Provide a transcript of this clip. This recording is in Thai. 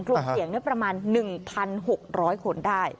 กลุ่มเสี่ยงประมาณ๑๖๐๐คนได้